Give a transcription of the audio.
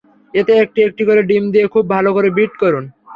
এতে একটি একটি করে ডিম দিয়ে খুব ভালো করে বিট করুন।